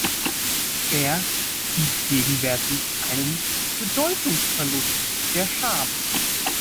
Er sieht gegenwärtig einen Bedeutungsverlust der Scham.